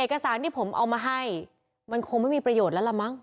เอกสารที่ผมเอามาให้มันคงไม่มีประโยชน์แล้วล่ะมั้ง